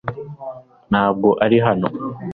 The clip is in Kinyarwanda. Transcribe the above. Ntabwo ari hano .